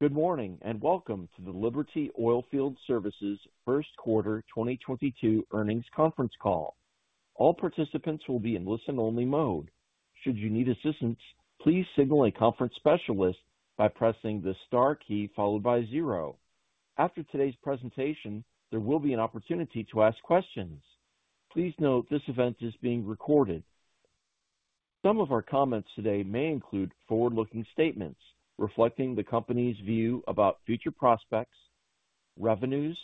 Good morning, and welcome to the Liberty Oilfield Services first quarter 2022 earnings conference call. All participants will be in listen-only mode. Should you need assistance, please signal a conference specialist by pressing the star key followed by zero. After today's presentation, there will be an opportunity to ask questions. Please note this event is being recorded. Some of our comments today may include forward-looking statements reflecting the company's view about future prospects, revenues,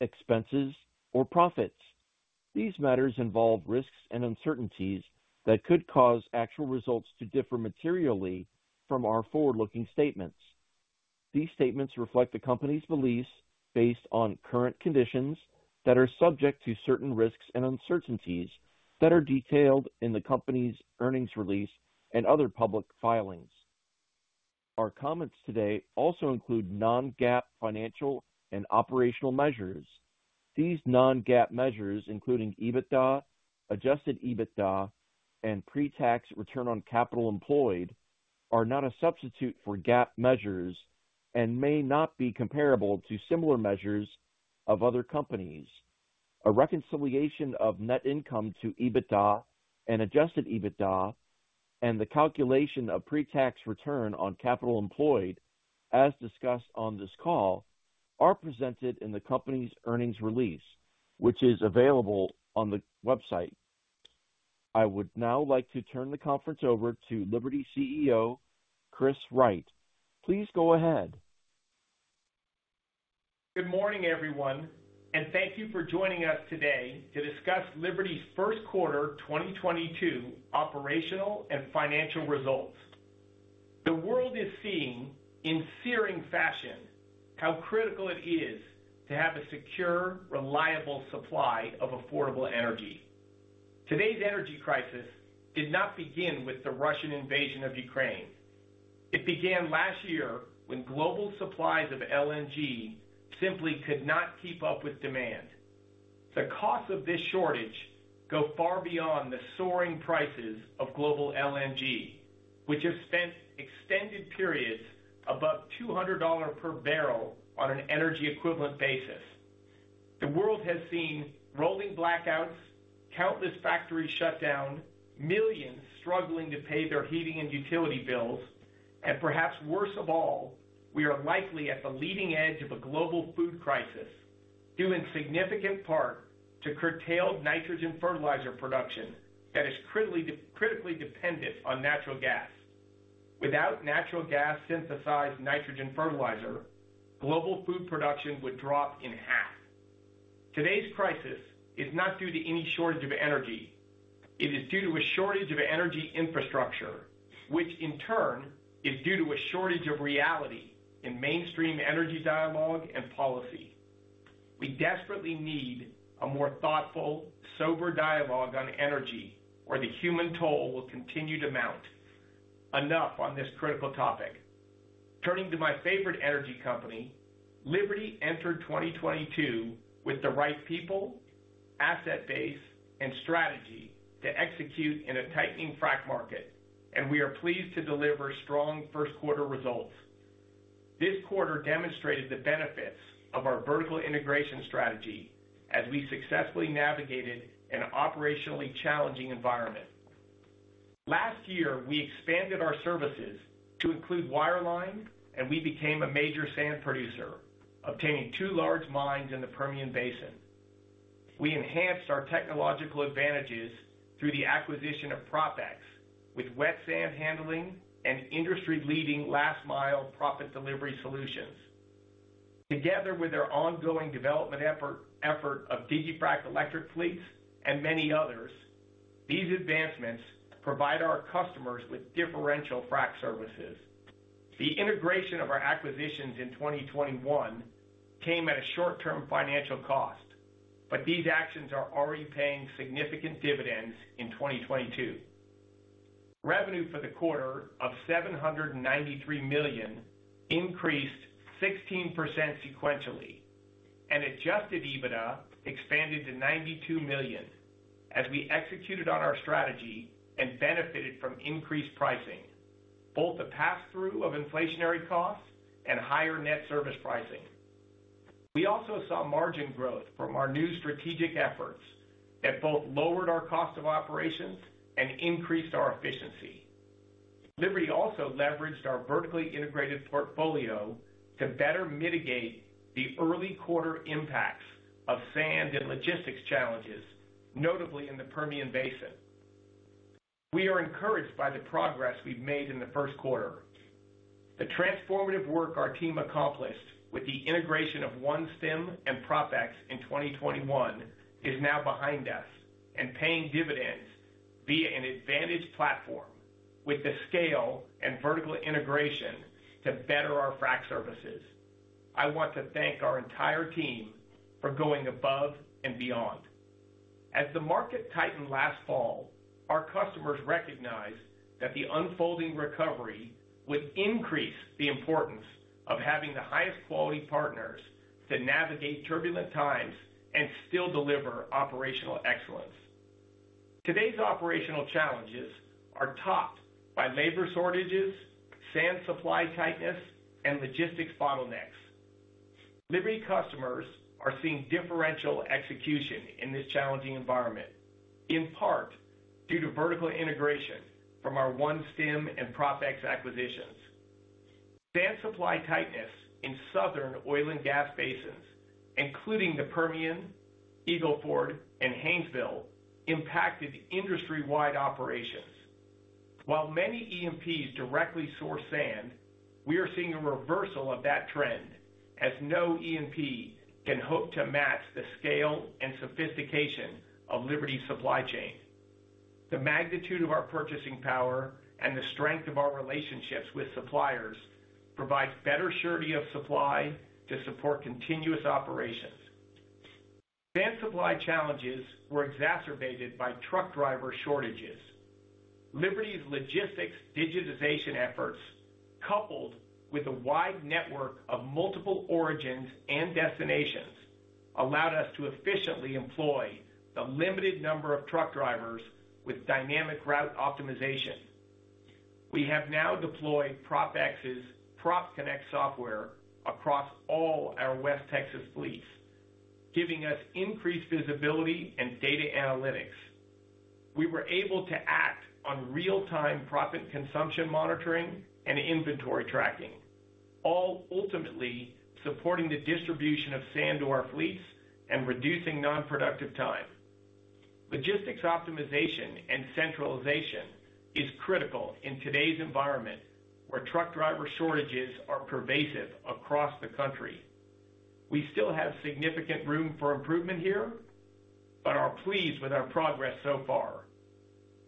expenses or profits. These matters involve risks and uncertainties that could cause actual results to differ materially from our forward-looking statements. These statements reflect the company's beliefs based on current conditions that are subject to certain risks and uncertainties that are detailed in the company's earnings release and other public filings. Our comments today also include non-GAAP financial and operational measures. These non-GAAP measures, including EBITDA, adjusted EBITDA, and pre-tax return on capital employed, are not a substitute for GAAP measures and may not be comparable to similar measures of other companies. A reconciliation of net income to EBITDA and adjusted EBITDA and the calculation of pre-tax return on capital employed, as discussed on this call, are presented in the company's earnings release, which is available on the website. I would now like to turn the conference over to Liberty CEO, Chris Wright. Please go ahead. Good morning, everyone, and thank you for joining us today to discuss Liberty's first quarter 2022 operational and financial results. The world is seeing in searing fashion how critical it is to have a secure, reliable supply of affordable energy. Today's energy crisis did not begin with the Russian invasion of Ukraine. It began last year when global supplies of LNG simply could not keep up with demand. The cost of this shortage go far beyond the soaring prices of global LNG, which have spent extended periods above $200 per barrel on an energy equivalent basis. The world has seen rolling blackouts, countless factories shut down, millions struggling to pay their heating and utility bills. Perhaps worse of all, we are likely at the leading edge of a global food crisis, due in significant part to curtailed nitrogen fertilizer production that is critically dependent on natural gas. Without natural gas synthesized nitrogen fertilizer, global food production would drop in half. Today's crisis is not due to any shortage of energy. It is due to a shortage of energy infrastructure, which in turn is due to a shortage of reality in mainstream energy dialogue and policy. We desperately need a more thoughtful, sober dialogue on energy, or the human toll will continue to mount. Enough on this critical topic. Turning to my favorite energy company, Liberty entered 2022 with the right people, asset base, and strategy to execute in a tightening frack market, and we are pleased to deliver strong first quarter results. This quarter demonstrated the benefits of our vertical integration strategy as we successfully navigated an operationally challenging environment. Last year, we expanded our services to include wireline, and we became a major sand producer, obtaining two large mines in the Permian Basin. We enhanced our technological advantages through the acquisition of PropX with wet sand handling and industry-leading last mile proppant delivery solutions. Together with their ongoing development effort of digiFrac Electric fleets and many others, these advancements provide our customers with differential frac services. The integration of our acquisitions in 2021 came at a short term financial cost, but these actions are already paying significant dividends in 2022. Revenue for the quarter of $793 million increased 16% sequentially, and adjusted EBITDA expanded to $92 million as we executed on our strategy and benefited from increased pricing, both the pass-through of inflationary costs and higher net service pricing. We also saw margin growth from our new strategic efforts that both lowered our cost of operations and increased our efficiency. Liberty also leveraged our vertically integrated portfolio to better mitigate the early quarter impacts of sand and logistics challenges, notably in the Permian Basin. We are encouraged by the progress we've made in the first quarter. The transformative work our team accomplished with the integration of OneStim and PropX in 2021 is now behind us and paying dividends via an advantage platform with the scale and vertical integration to better our frac services. I want to thank our entire team for going above and beyond. As the market tightened last fall, our customers recognized that the unfolding recovery would increase the importance of having the highest quality partners to navigate turbulent times and still deliver operational excellence. Today's operational challenges are topped by labor shortages, sand supply tightness, and logistics bottlenecks. Liberty customers are seeing differential execution in this challenging environment, in part due to vertical integration from our OneStim and PropX acquisitions. Sand supply tightness in southern oil and gas basins, including the Permian, Eagle Ford, and Haynesville, impacted industry-wide operations. While many E&Ps directly source sand, we are seeing a reversal of that trend, as no E&P can hope to match the scale and sophistication of Liberty's supply chain. The magnitude of our purchasing power and the strength of our relationships with suppliers provides better surety of supply to support continuous operations. Sand supply challenges were exacerbated by truck driver shortages. Liberty's logistics digitization efforts, coupled with a wide network of multiple origins and destinations, allowed us to efficiently employ the limited number of truck drivers with dynamic route optimization. We have now deployed PropX's PropConnect software across all our West Texas fleets, giving us increased visibility and data analytics. We were able to act on real-time proppant consumption monitoring and inventory tracking, all ultimately supporting the distribution of sand to our fleets and reducing non-productive time. Logistics optimization and centralization is critical in today's environment, where truck driver shortages are pervasive across the country. We still have significant room for improvement here, but are pleased with our progress so far.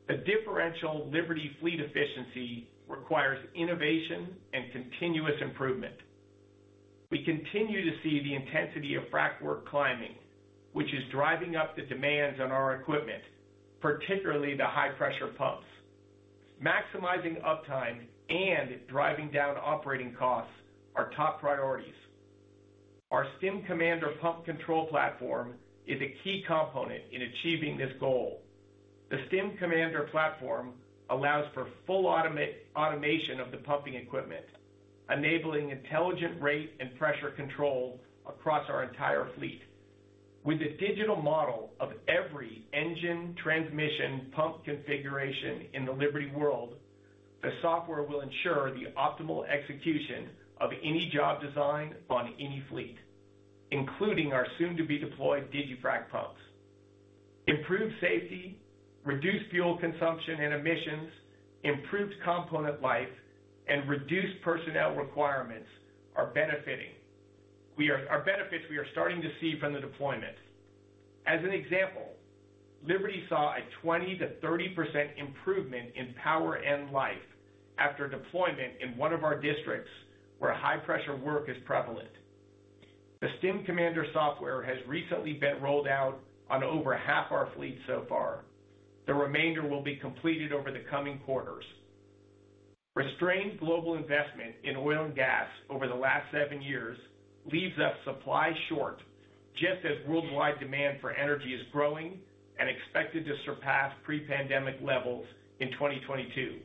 The differential Liberty fleet efficiency requires innovation and continuous improvement. We continue to see the intensity of frack work climbing, which is driving up the demands on our equipment, particularly the high pressure pumps. Maximizing uptime and driving down operating costs are top priorities. Our StimCommander pump control platform is a key component in achieving this goal. The StimCommander platform allows for full automation of the pumping equipment, enabling intelligent rate and pressure control across our entire fleet. With a digital model of every engine transmission pump configuration in the Liberty world, the software will ensure the optimal execution of any job design on any fleet, including our soon to be deployed digiFrac pumps. Improved safety, reduced fuel consumption and emissions, improved component life, and reduced personnel requirements are benefits we are starting to see from the deployment. As an example, Liberty saw a 20%-30% improvement in power end life after deployment in one of our districts where high pressure work is prevalent. The StimCommander software has recently been rolled out on over half our fleet so far. The remainder will be completed over the coming quarters. Restrained global investment in oil and gas over the last seven years leaves us in short supply just as worldwide demand for energy is growing and expected to surpass pre-pandemic levels in 2022.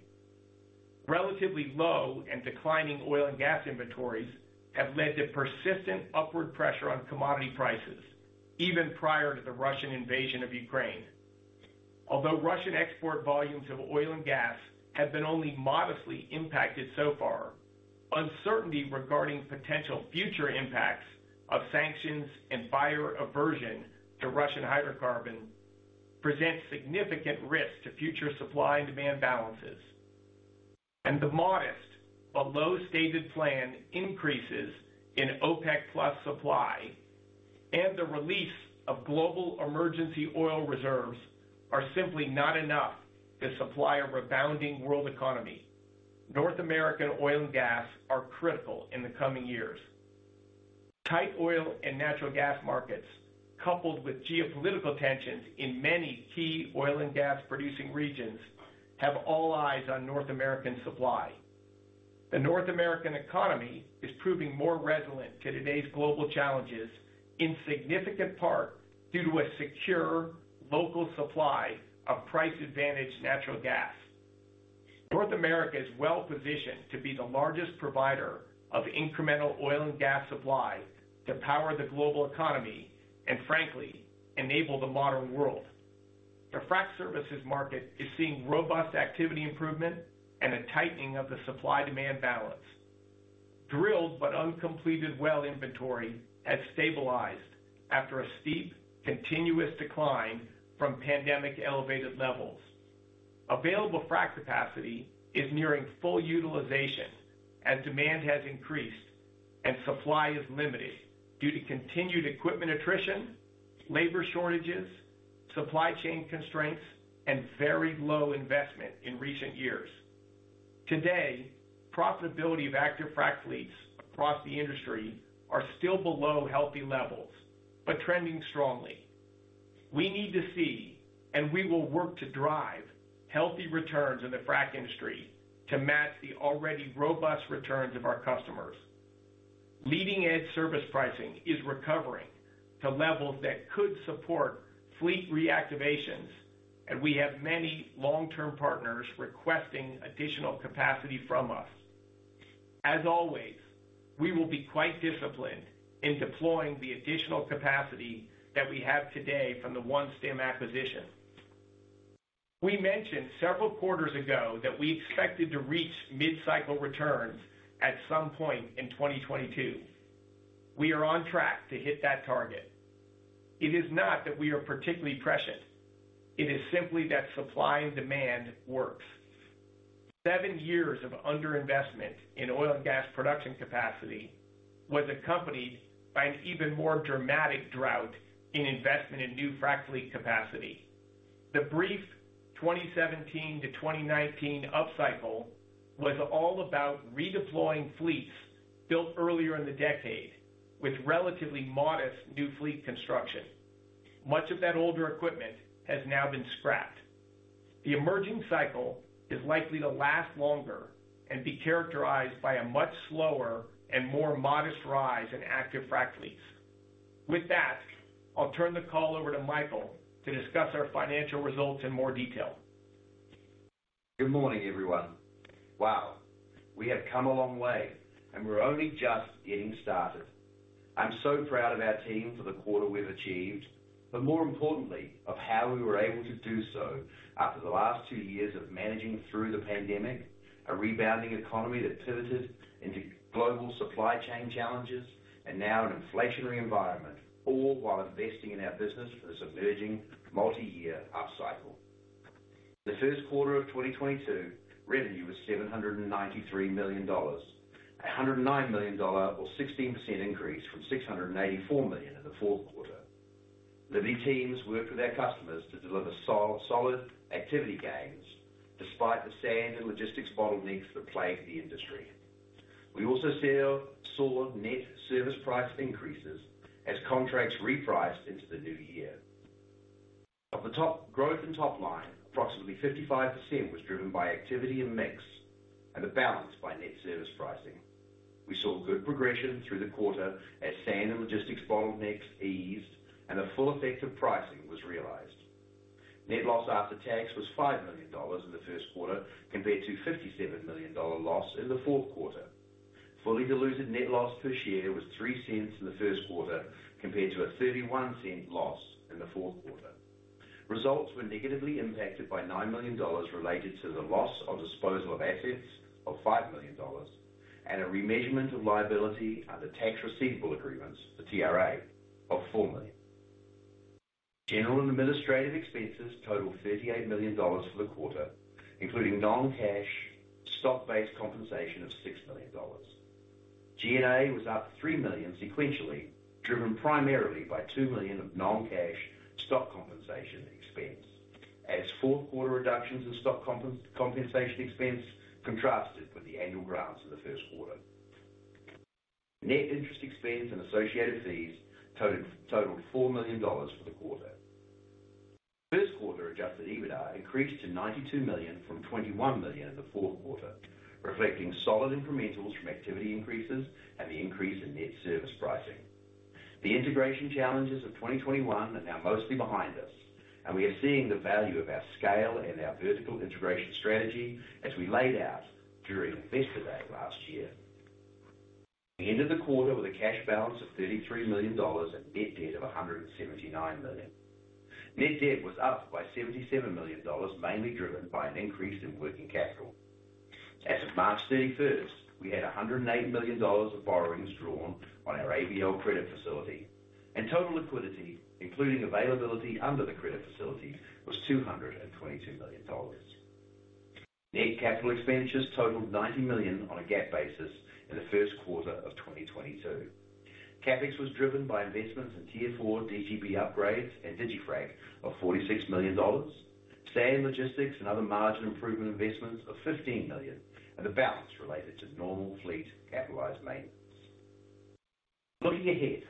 Relatively low and declining oil and gas inventories have led to persistent upward pressure on commodity prices even prior to the Russian invasion of Ukraine. Although Russian export volumes of oil and gas have been only modestly impacted so far, uncertainty regarding potential future impacts of sanctions and buyer aversion to Russian hydrocarbons presents significant risk to future supply and demand balances. The modest, although stated planned increases in OPEC+ supply and the release of global emergency oil reserves are simply not enough to supply a rebounding world economy. North American oil and gas are critical in the coming years. Tight oil and natural gas markets, coupled with geopolitical tensions in many key oil and gas producing regions, have all eyes on North American supply. The North American economy is proving more resilient to today's global challenges, in significant part due to a secure local supply of price-advantaged natural gas. North America is well-positioned to be the largest provider of incremental oil and gas supply to power the global economy and, frankly, enable the modern world. The frac services market is seeing robust activity improvement and a tightening of the supply-demand balance. Drilled but uncompleted well inventory has stabilized after a steep, continuous decline from pandemic elevated levels. Available frac capacity is nearing full utilization as demand has increased and supply is limited due to continued equipment attrition, labor shortages, supply chain constraints, and very low investment in recent years. Today, profitability of active frac fleets across the industry are still below healthy levels, but trending strongly. We need to see, and we will work to drive healthy returns in the frac industry to match the already robust returns of our customers. Leading edge service pricing is recovering to levels that could support fleet reactivations, and we have many long-term partners requesting additional capacity from us. As always, we will be quite disciplined in deploying the additional capacity that we have today from the OneStim acquisition. We mentioned several quarters ago that we expected to reach mid-cycle returns at some point in 2022. We are on track to hit that target. It is not that we are particularly precious. It is simply that supply and demand works. 7 years of under-investment in oil and gas production capacity was accompanied by an even more dramatic drought in investment in new frac fleet capacity. The brief 2017 to 2019 upcycle was all about redeploying fleets built earlier in the decade with relatively modest new fleet construction. Much of that older equipment has now been scrapped. The emerging cycle is likely to last longer and be characterized by a much slower and more modest rise in active frac fleets. With that, I'll turn the call over to Michael to discuss our financial results in more detail. Good morning, everyone. Wow, we have come a long way and we're only just getting started. I'm so proud of our team for the quarter we've achieved, but more importantly of how we were able to do so after the last two years of managing through the pandemic, a rebounding economy that pivoted into global supply chain challenges and now an inflationary environment, all while investing in our business for this emerging multi-year upcycle. The first quarter of 2022 revenue was $793 million, $109 million or 16% increase from $684 million in the fourth quarter. Liberty teams worked with our customers to deliver solid activity gains despite the sand and logistics bottlenecks that plagued the industry. We also saw net service price increases as contracts repriced into the new year. Of the top growth and top line, approximately 55% was driven by activity and mix, and the balance by net service pricing. We saw good progression through the quarter as sand and logistics bottlenecks eased and the full effect of pricing was realized. Net loss after tax was $5 million in the first quarter compared to $57 million dollar loss in the fourth quarter. Fully diluted net loss per share was $0.03 in the first quarter compared to a $0.31 loss in the fourth quarter. Results were negatively impacted by $9 million related to the loss of disposal of assets of $5 million, and a remeasurement of liability under tax receivable agreements, the TRA, of $4 million. General and administrative expenses totaled $38 million for the quarter, including non-cash stock-based compensation of $6 million. G&A was up $3 million sequentially, driven primarily by $2 million of non-cash stock compensation expense as fourth quarter reductions in stock compensation expense contrasted with the annual grants of the first quarter. Net interest expense and associated fees totaled $4 million for the quarter. First quarter adjusted EBITDA increased to $92 million from $21 million in the fourth quarter, reflecting solid incrementals from activity increases and the increase in net service pricing. The integration challenges of 2021 are now mostly behind us, and we are seeing the value of our scale and our vertical integration strategy as we laid out during Investor Day last year. We ended the quarter with a cash balance of $33 million and net debt of $179 million. Net debt was up by $77 million, mainly driven by an increase in working capital. As of March 31, we had $180 million of borrowings drawn on our ABL credit facility, and total liquidity, including availability under the credit facility, was $222 million. Net capital expenditures totaled $90 million on a GAAP basis in the first quarter of 2022. CapEx was driven by investments in Tier 4 DGB upgrades and digiFrac of $46 million, sand logistics and other margin improvement investments of $15 million, and the balance related to normal fleet capitalized maintenance. Looking ahead,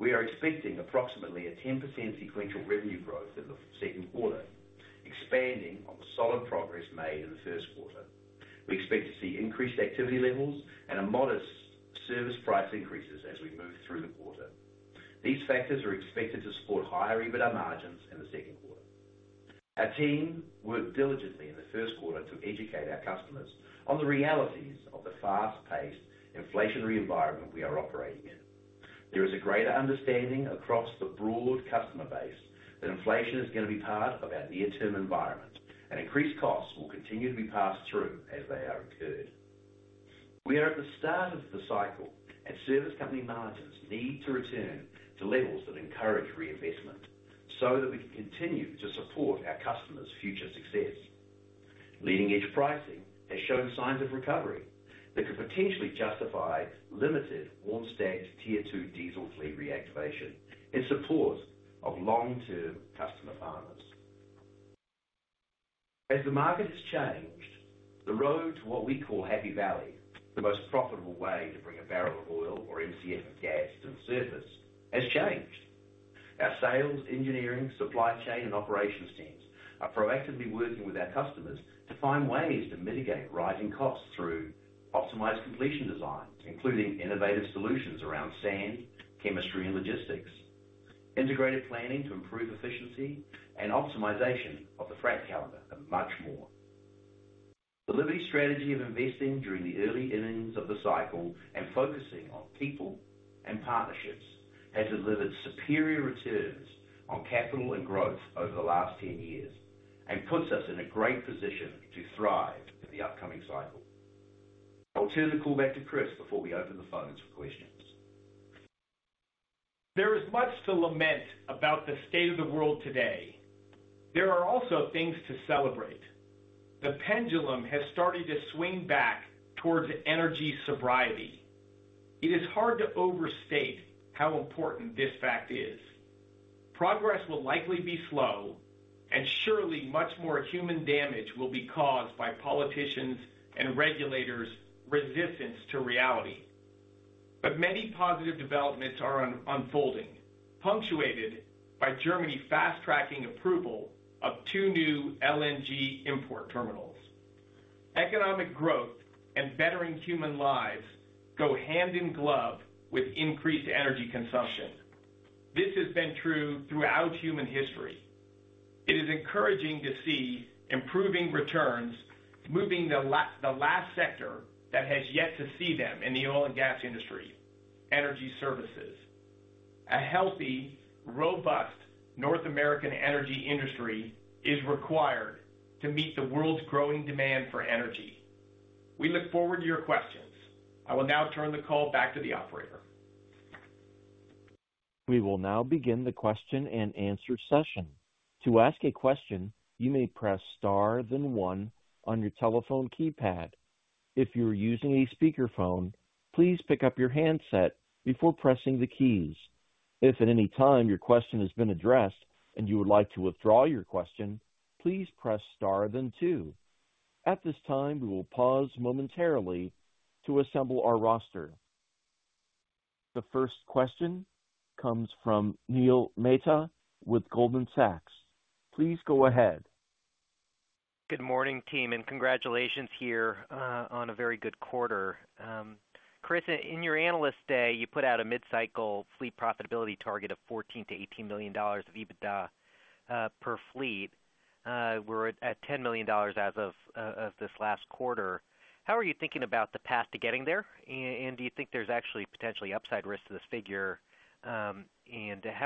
we are expecting approximately 10% sequential revenue growth in the second quarter, expanding on the solid progress made in the first quarter. We expect to see increased activity levels and a modest service price increases as we move through the quarter. These factors are expected to support higher EBITDA margins in the second quarter. Our team worked diligently in the first quarter to educate our customers on the realities of the fast-paced inflationary environment we are operating in. There is a greater understanding across the broad customer base that inflation is gonna be part of our near-term environment, and increased costs will continue to be passed through as they are incurred. We are at the start of the cycle and service company margins need to return to levels that encourage reinvestment so that we can continue to support our customers' future success. Leading edge pricing has shown signs of recovery that could potentially justify limited warm stacked Tier 2 diesel fleet reactivation in support of long-term customer partners. As the market has changed, the road to what we call Happy Valley, the most profitable way to bring a barrel of oil or MCF of gas to the surface, has changed. Our sales, engineering, supply chain and operations teams are proactively working with our customers to find ways to mitigate rising costs through optimized completion designs, including innovative solutions around sand, chemistry and logistics, integrated planning to improve efficiency and optimization of the frac calendar and much more. The Liberty strategy of investing during the early innings of the cycle and focusing on people and partnerships has delivered superior returns on capital and growth over the last 10 years and puts us in a great position to thrive in the upcoming cycle. I'll turn the call back to Chris before we open the phones for questions. There is much to lament about the state of the world today. There are also things to celebrate. The pendulum has started to swing back towards energy sobriety. It is hard to overstate how important this fact is. Progress will likely be slow and surely much more human damage will be caused by politicians and regulators resistance to reality. Many positive developments are unfolding, punctuated by Germany fast tracking approval of 2 new LNG import terminals. Economic growth and bettering human lives go hand in glove with increased energy consumption. This has been true throughout human history. It is encouraging to see improving returns, moving the last sector that has yet to see them in the oil and gas industry, energy services. A healthy, robust North American energy industry is required to meet the world's growing demand for energy. We look forward to your questions. I will now turn the call back to the operator. We will now begin the question-and-answer session. To ask a question, you may press star then one on your telephone keypad. If you are using a speakerphone, please pick up your handset before pressing the keys. If at any time your question has been addressed and you would like to withdraw your question, please press star then two. At this time, we will pause momentarily to assemble our roster. The first question comes from Neil Mehta with Goldman Sachs. Please go ahead. Good morning, team, and congratulations here on a very good quarter. Chris, in your Analyst Day, you put out a mid-cycle fleet profitability target of $14 million-$18 million of EBITDA per fleet. We're at $10 million as of this last quarter. How are you thinking about the path to getting there? Do you think there's actually potentially upside risk to this figure? How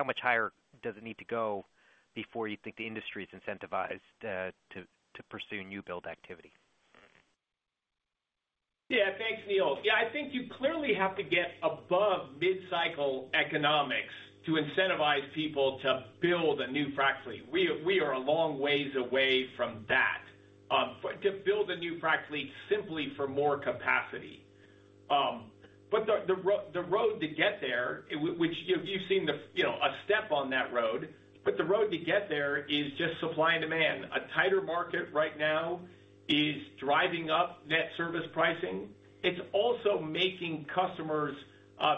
much higher does it need to go before you think the industry is incentivized to pursue new build activity? Yeah. Thanks, Neil. I think you clearly have to get above mid-cycle economics to incentivize people to build a new frac fleet. We are a long ways away from that, but to build a new frac fleet simply for more capacity. The road to get there, which you've seen, you know, a step on that road, is just supply and demand. A tighter market right now is driving up net service pricing. It's also making customers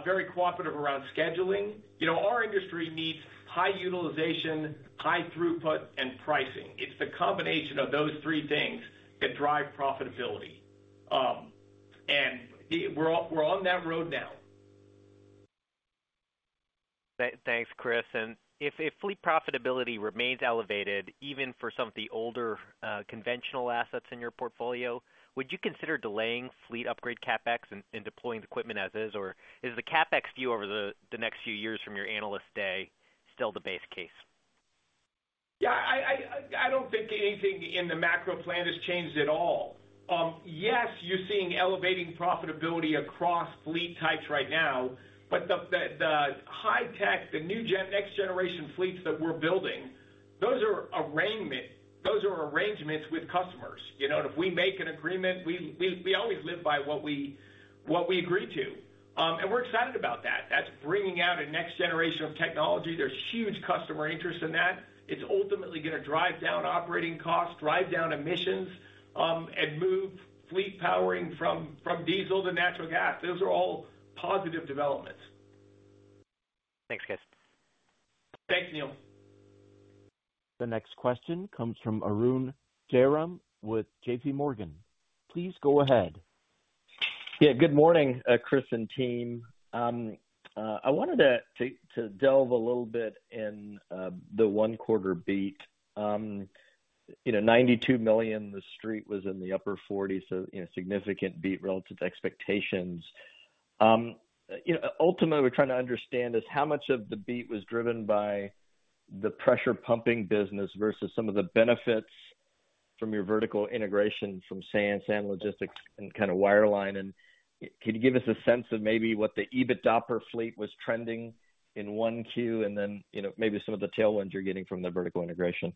very cooperative around scheduling. You know, our industry needs high utilization, high throughput and pricing. It's the combination of those three things that drive profitability. We're on that road now. Thanks, Chris. If fleet profitability remains elevated even for some of the older conventional assets in your portfolio, would you consider delaying fleet upgrade CapEx and deploying the equipment as is? Or is the CapEx view over the next few years from your Analyst Day still the base case? Yeah, I don't think anything in the macro plan has changed at all. Yes, you're seeing elevating profitability across fleet types right now, but the high-tech, the next generation fleets that we're building, those are arrangements with customers, you know. If we make an agreement, we always live by what we agree to. We're excited about that. That's bringing out a next generation of technology. There's huge customer interest in that. It's ultimately gonna drive down operating costs, drive down emissions, and move fleet powering from diesel to natural gas. Those are all positive developments. Thanks, Chris. Thanks, Neil. The next question comes from Arun Jayaram with JP Morgan. Please go ahead. Yeah. Good morning, Chris and team. I wanted to delve a little bit in the 1 quarter beat. You know, $92 million, the street was in the upper 40. So, you know, significant beat relative to expectations. Ultimately we're trying to understand is how much of the beat was driven by the pressure pumping business versus some of the benefits from your vertical integration from sand logistics and kind of wireline. Can you give us a sense of maybe what the EBITDA per fleet was trending in 1Q and then, you know, maybe some of the tailwinds you're getting from the vertical integration?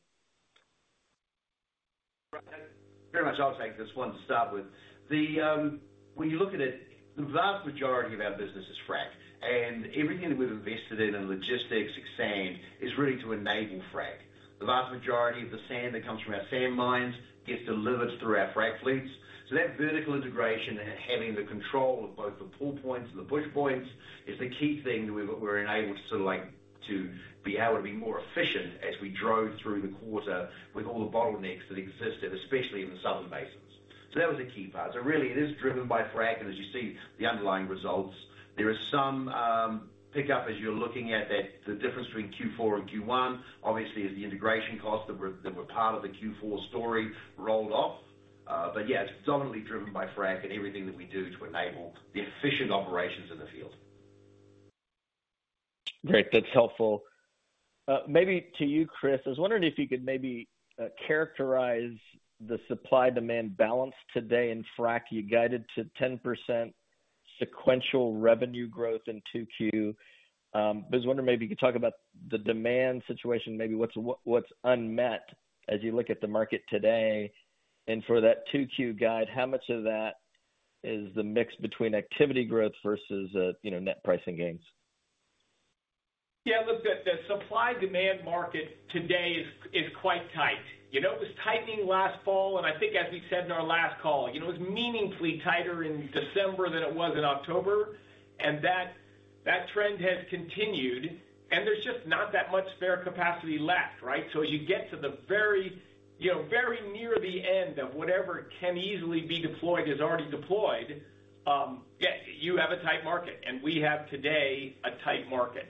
Very much, I'll take this one to start with. The, when you look at it, the vast majority of our business is frac. Everything that we've invested in logistics, in sand, is really to enable frac. The vast majority of the sand that comes from our sand mines gets delivered through our frac fleets. That vertical integration and having the control of both the pull points and the push points is the key thing that we're enabled to like to be able to be more efficient as we drove through the quarter with all the bottlenecks that existed, especially in the southern basins. That was a key part. Really it is driven by frac. As you see the underlying results, there is some pickup as you're looking at that. The difference between Q4 and Q1 obviously is the integration costs that were part of the Q4 story rolled off. But yeah, it's dominantly driven by frac and everything that we do to enable the efficient operations in the field. Great. That's helpful. Maybe to you, Chris, I was wondering if you could maybe characterize the supply-demand balance today in frac. You guided to 10% sequential revenue growth in 2Q. I was wondering maybe you could talk about the demand situation, maybe what's unmet as you look at the market today. For that 2Q guide, how much of that is the mix between activity growth versus net pricing gains? Yeah, look, the supply-demand market today is quite tight. You know, it was tightening last fall, and I think as we said in our last call, you know, it was meaningfully tighter in December than it was in October, and that trend has continued, and there's just not that much spare capacity left, right? So as you get to the very near the end of whatever can easily be deployed is already deployed, yeah, you have a tight market. We have today a tight market.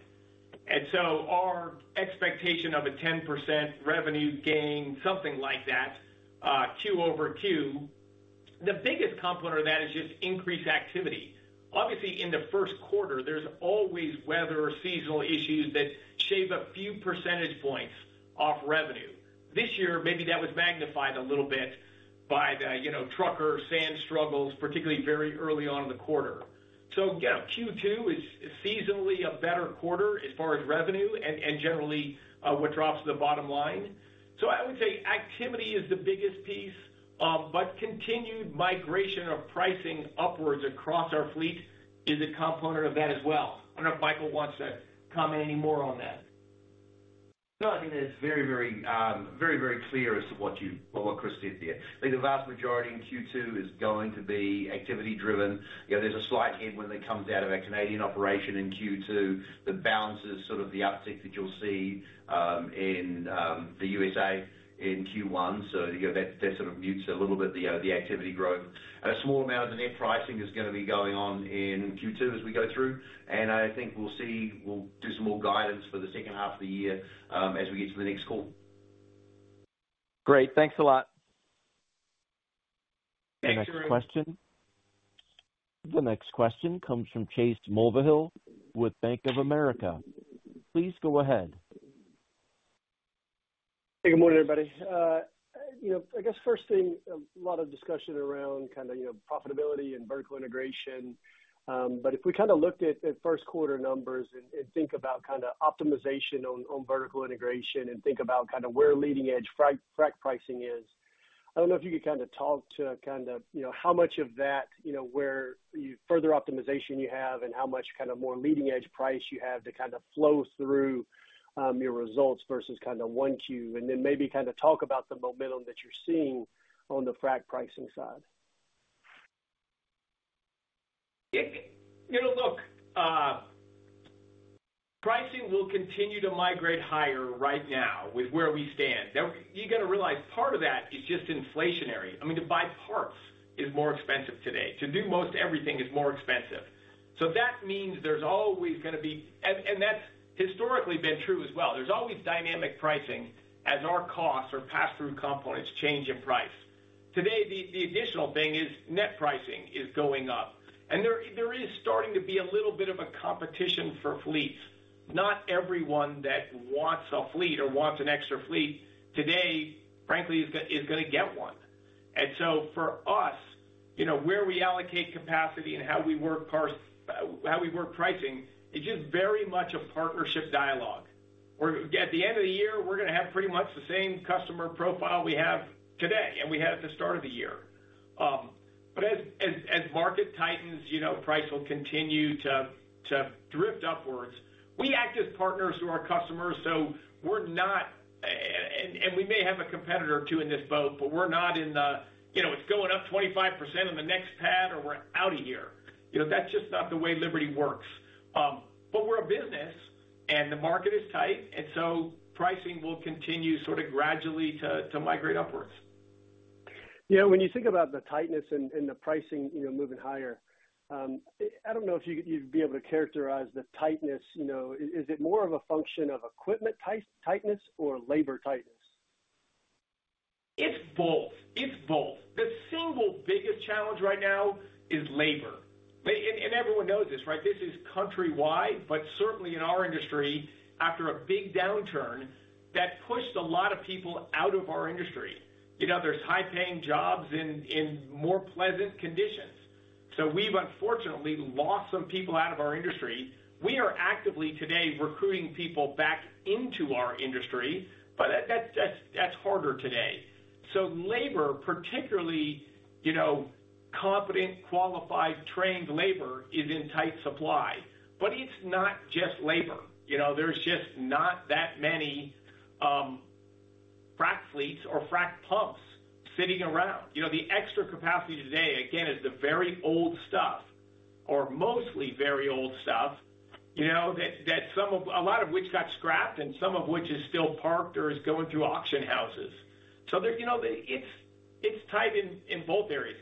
Our expectation of a 10% revenue gain, something like that, Q-over-Q, the biggest component of that is just increased activity. Obviously, in the first quarter, there's always weather or seasonal issues that shave a few percentage points off revenue. This year, maybe that was magnified a little bit by the, you know, trucker, sand struggles, particularly very early on in the quarter. Again, Q2 is seasonally a better quarter as far as revenue and generally what drops to the bottom line. I would say activity is the biggest piece, but continued migration of pricing upwards across our fleet is a component of that as well. I don't know if Michael wants to comment any more on that. No, I think that's very clear as to what Chris said there. I think the vast majority in Q2 is going to be activity driven. You know, there's a slight headwind that comes out of our Canadian operation in Q2 that balances sort of the uptick that you'll see in the USA in Q1. You know, that sort of mutes a little bit the activity growth. A small amount of the net pricing is gonna be going on in Q2 as we go through, and I think we'll see, we'll do some more guidance for the second half of the year as we get to the next call. Great. Thanks a lot. Thanks, Arun. The next question comes from Chase Mulvehill with Bank of America. Please go ahead. Hey, good morning, everybody. You know, I guess first thing, a lot of discussion around kinda, you know, profitability and vertical integration. If we kinda looked at first quarter numbers and think about kinda optimization on vertical integration and think about kinda where leading-edge frac pricing is, I don't know if you could kinda talk to kind of, you know, how much of that, you know, where you have further optimization you have and how much kind of more leading edge price you have to kind of flow through your results versus kind of 1Q. Then maybe kinda talk about the momentum that you're seeing on the frac pricing side. You know, look, pricing will continue to migrate higher right now with where we stand. Now, you gotta realize part of that is just inflationary. I mean, to buy parts is more expensive today. To do most everything is more expensive. So that means there's always gonna be. That's historically been true as well. There's always dynamic pricing as our costs or pass-through components change in price. Today, the additional thing is net pricing is going up. There is starting to be a little bit of a competition for fleets. Not everyone that wants a fleet or wants an extra fleet today, frankly, is gonna get one. For us, you know, where we allocate capacity and how we work parts, how we work pricing, is just very much a partnership dialogue, where at the end of the year, we're gonna have pretty much the same customer profile we have today and we had at the start of the year. As market tightens, you know, price will continue to drift upwards. We act as partners to our customers, so we're not and we may have a competitor or two in this boat, but we're not in the, you know, it's going up 25% on the next pad or we're out of here. You know, that's just not the way Liberty works. We're a business and the market is tight, and so pricing will continue sort of gradually to migrate upwards. You know, when you think about the tightness and the pricing, you know, moving higher, I don't know if you'd be able to characterize the tightness, you know. Is it more of a function of equipment tightness or labor tightness? It's both. It's both. The single biggest challenge right now is labor. Everyone knows this, right? This is countrywide, but certainly in our industry, after a big downturn, that pushed a lot of people out of our industry. You know, there's high-paying jobs in more pleasant conditions. We've unfortunately lost some people out of our industry. We are actively today recruiting people back into our industry, but that's harder today. Labor, particularly, you know, competent, qualified, trained labor is in tight supply. It's not just labor, you know? There's just not that many frac fleets or frac pumps sitting around. You know, the extra capacity today, again, is the very old stuff, or mostly very old stuff, you know, that a lot of which got scrapped and some of which is still parked or is going through auction houses. So there, you know, it's tight in both areas.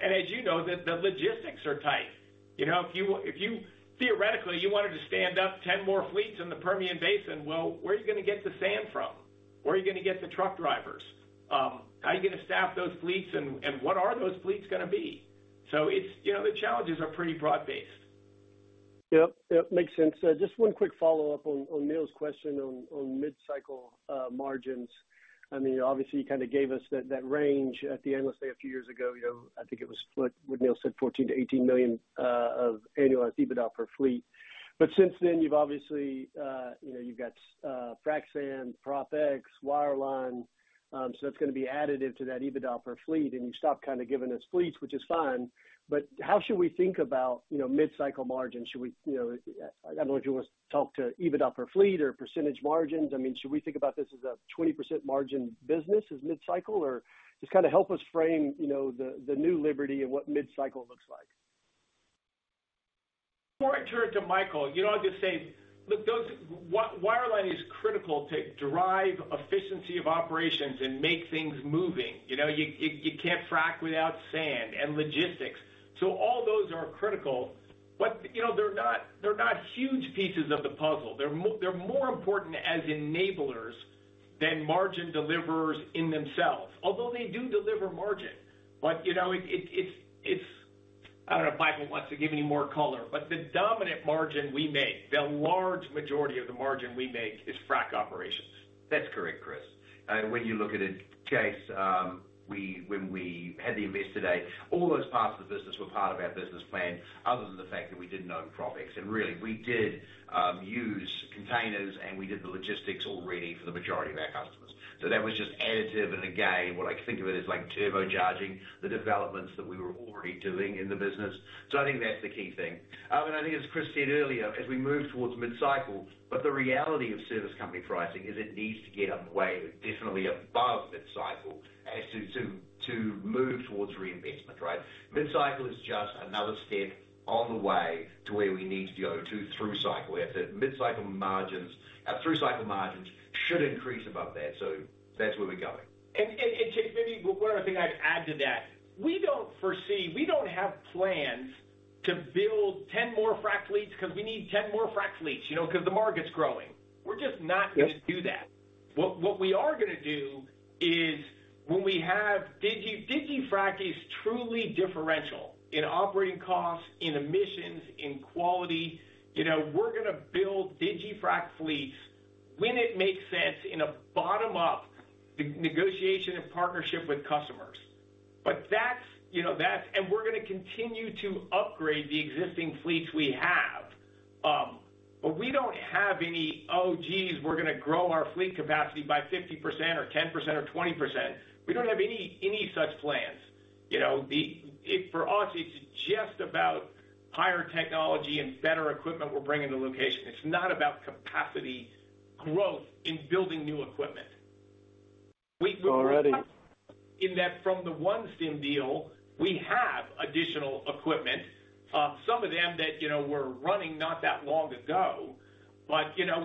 As you know, the logistics are tight. You know, if you theoretically wanted to stand up 10 more fleets in the Permian Basin, well, where are you gonna get the sand from? Where are you gonna get the truck drivers? How are you gonna staff those fleets and what are those fleets gonna be? So it's, you know, the challenges are pretty broad-based. Yep, yep, makes sense. Just one quick follow-up on Neil's question on mid-cycle margins. I mean, obviously, you kinda gave us that range at the Analyst Day a few years ago, you know. I think it was what Neil said, $14 million-$18 million of annualized EBITDA per fleet. Since then you've obviously, you know, you've got frac sand, PropX, wireline, so it's gonna be additive to that EBITDA per fleet, and you've stopped kinda giving us fleets, which is fine. How should we think about mid-cycle margins? Should we, you know, I don't know if you wanna talk to EBITDA per fleet or percentage margins. I mean, should we think about this as a 20% margin business as mid-cycle? Just kinda help us frame, you know, the new Liberty and what mid-cycle looks like. Before I turn to Michael, you know, I'll just say, look, those wireline is critical to drive efficiency of operations and make things moving. You know, you can't frack without sand and logistics. All those are critical. You know, they're not huge pieces of the puzzle. They're more important as enablers than margin deliverers in themselves. Although they do deliver margin. You know, I don't know if Michael wants to give any more color, but the dominant margin we make, the large majority of the margin we make is frack operations. That's correct, Chris. When you look at it, Chase, when we had the Investor Day, all those parts of the business were part of our business plan other than the fact that we didn't own PropX. Really we did use containers, and we did the logistics already for the majority of our customers. So that was just additive. Again, what I can think of it as like turbocharging the developments that we were already doing in the business. I think that's the key thing. I think as Chris said earlier, as we move towards mid-cycle, but the reality of service company pricing is it needs to get up way definitely above mid-cycle as to move towards reinvestment, right? Mid-cycle is just another step on the way to where we need to go to through cycle. We have two mid-cycle margins. Our through-cycle margins should increase above that. That's where we're going. Chase, maybe one other thing I'd add to that. We don't have plans to build 10 more frack fleets 'cause we need 10 more frack fleets, you know, 'cause the market's growing. We're just not. Yep. Gonna do that. What we are gonna do is when we have digiFrac. digiFrac is truly differential in operating costs, in emissions, in quality. You know, we're gonna build digiFrac fleets when it makes sense in a bottom-up negotiation and partnership with customers. That's, you know, that's. We're gonna continue to upgrade the existing fleets we have. But we don't have any, "Oh, geez, we're gonna grow our fleet capacity by 50% or 10% or 20%." We don't have any such plans. You know, for us, it's just about higher technology and better equipment we're bringing to location. It's not about capacity growth in building new equipment. We All righty. In that from the OneStim deal, we have additional equipment, some of them that, you know, were running not that long ago, but, you know,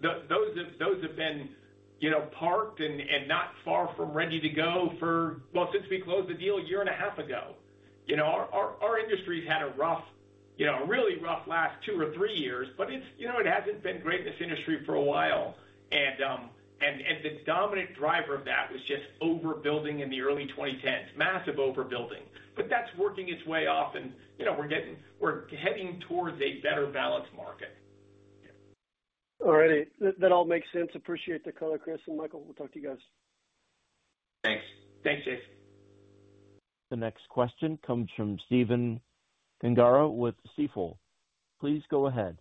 those have been, you know, parked and not far from ready to go for well, since we closed the deal a year and a half ago. You know, our industry's had a rough, you know, a really rough last two or three years, but it's, you know, it hasn't been great in this industry for a while. The dominant driver of that was just overbuilding in the early 2010s, massive overbuilding. That's working its way off and, you know, we're heading towards a better balanced market. All righty. That all makes sense. Appreciate the color, Chris and Michael. We'll talk to you guys. Thanks. Thanks, Chase. The next question comes from Stephen Gengaro with Stifel. Please go ahead.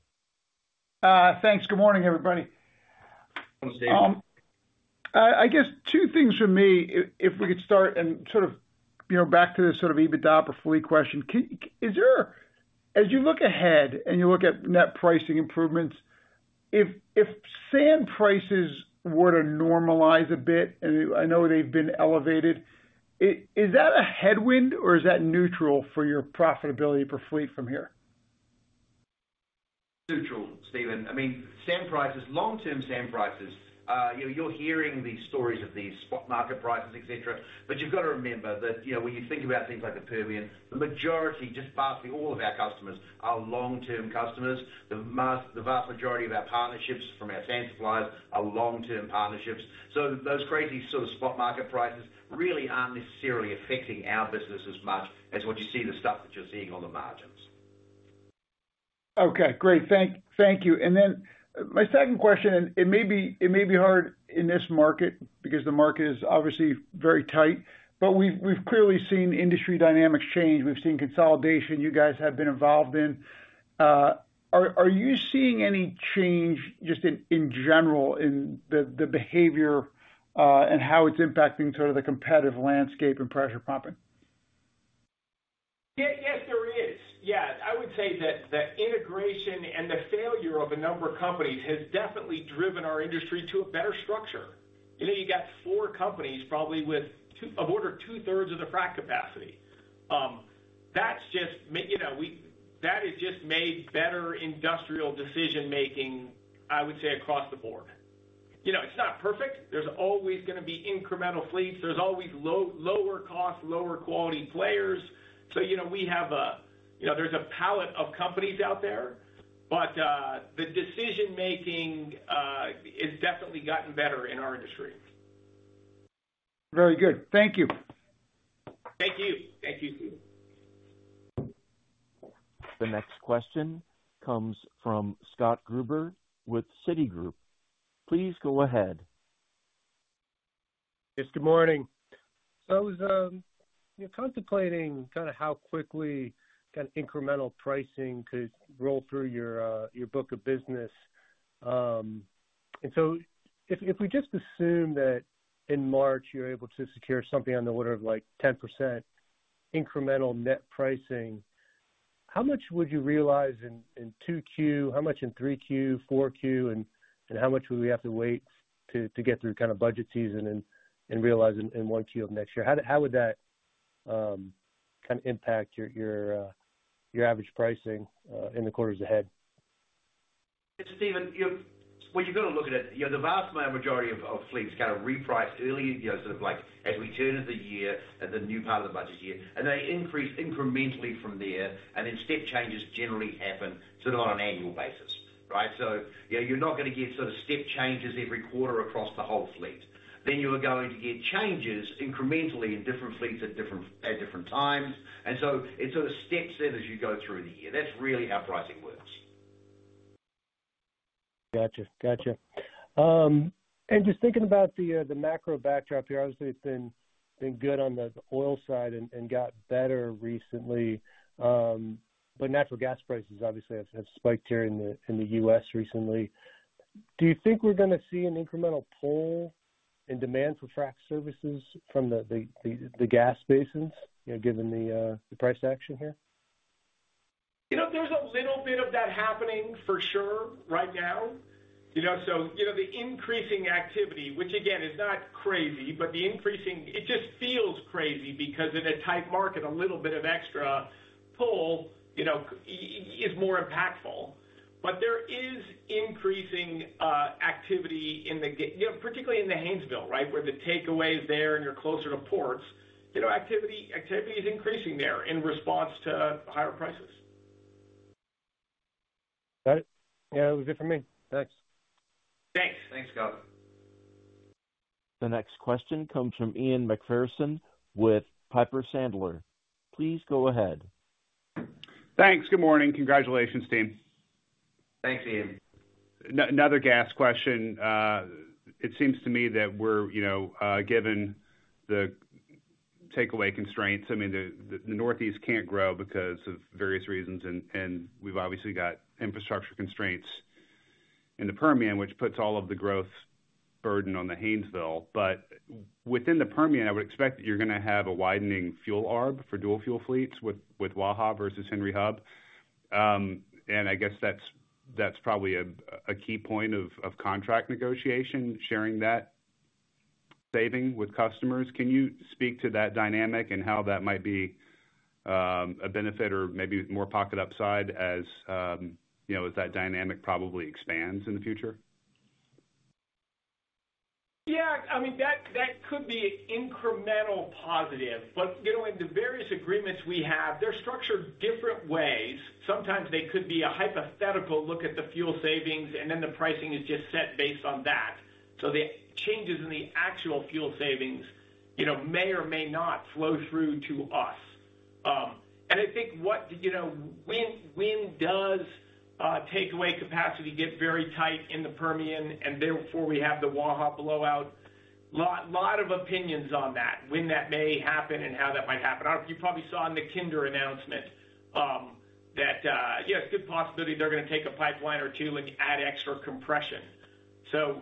Thanks. Good morning, everybody. Good morning, Stephen. I guess two things from me, if we could start and sort of, you know, back to the sort of EBITDA per fleet question. As you look ahead and you look at net pricing improvements, if sand prices were to normalize a bit, and I know they've been elevated, is that a headwind or is that neutral for your profitability per fleet from here? Neutral, Stephen. I mean, sand prices, long-term sand prices, you know, you're hearing these stories of these spot market prices, et cetera. You've got to remember that, you know, when you think about things like the Permian, the majority, just vastly all of our customers are long-term customers. The vast majority of our partnerships from our sand suppliers are long-term partnerships. Those crazy sort of spot market prices really aren't necessarily affecting our business as much as what you see the stuff that you're seeing on the margins. Okay, great. Thank you. Then my second question, it may be hard in this market because the market is obviously very tight, but we've clearly seen industry dynamics change. We've seen consolidation you guys have been involved in. Are you seeing any change just in general in the behavior and how it's impacting sort of the competitive landscape and pressure pumping? Yes, there is. Yes. I would say that the integration and the failure of a number of companies has definitely driven our industry to a better structure. You know, you got four companies probably with two-thirds of the frac capacity. That's just you know, that has just made better industrial decision-making, I would say, across the board. You know, it's not perfect. There's always gonna be incremental fleets. There's always lower cost, lower quality players. You know, we have a, you know, there's a palette of companies out there, but, the decision-making has definitely gotten better in our industry. Very good. Thank you. Thank you. Thank you. The next question comes from Scott Gruber with Citigroup. Please go ahead. Yes, good morning. I was, you know, contemplating kind of how quickly kind of incremental pricing could roll through your book of business. If we just assume that in March, you're able to secure something on the order of like 10% incremental net pricing, how much would you realize in 2Q? How much in 3Q, 4Q? How much would we have to wait to get through kind of budget season and realize in 1Q of next year? How would that kind of impact your average pricing in the quarters ahead? It's Stephen, what you've got to look at it, you know, the vast majority of fleets kind of reprice early, you know, sort of like as we turn of the year and the new part of the budget year, and they increase incrementally from there, and then step changes generally happen sort of on an annual basis, right? So, you know, you're not gonna get sort of step changes every quarter across the whole fleet. You are going to get changes incrementally in different fleets at different times. It sort of steps in as you go through the year. That's really how pricing works. Gotcha. Just thinking about the macro backdrop here, obviously it's been good on the oil side and got better recently, but natural gas prices obviously have spiked here in the U.S. recently. Do you think we're gonna see an incremental pull in demand for frac services from the gas basins, you know, given the price action here? You know, there's a little bit of that happening for sure right now. You know, the increasing activity, which again is not crazy, but the increasing it just feels crazy because in a tight market, a little bit of extra pull, you know, is more impactful. But there is increasing activity, you know, particularly in the Haynesville, right? Where the takeaway is there and you're closer to ports. You know, activity is increasing there in response to higher prices. Got it. Yeah, that was it for me. Thanks. Thanks. Thanks, Scott. The next question comes from Ian MacPherson with Piper Sandler. Please go ahead. Thanks. Good morning. Congratulations, team. Thanks, Ian. Another gas question. It seems to me that we're, you know, given the takeaway constraints, I mean, the Northeast can't grow because of various reasons. We've obviously got infrastructure constraints in the Permian, which puts all of the growth burden on the Haynesville. Within the Permian, I would expect that you're gonna have a widening fuel arb for dual fuel fleets with Waha versus Henry Hub. I guess that's probably a key point of contract negotiation, sharing that saving with customers. Can you speak to that dynamic and how that might be a benefit or maybe more pocket upside as, you know, as that dynamic probably expands in the future? Yeah, I mean, that could be incremental positive. You know, in the various agreements we have, they're structured different ways. Sometimes they could be a hypothetical look at the fuel savings, and then the pricing is just set based on that. The changes in the actual fuel savings, you know, may or may not flow through to us. I think what, you know, when does takeaway capacity get very tight in the Permian and therefore we have the Waha blowout? Lot of opinions on that, when that may happen and how that might happen. You probably saw in the Kinder Morgan announcement, that yeah, it's a good possibility they're gonna take a pipeline or two and add extra compression. Let's